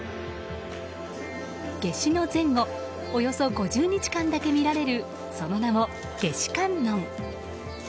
夏至の前後およそ５０日間だけ見られるその名も、夏至観音。